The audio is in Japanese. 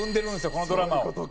このドラマを。